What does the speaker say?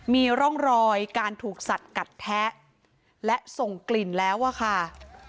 มีร่องรอยการถูกสัดกัดแทะและส่งกลิ่นแล้วอะค่ะ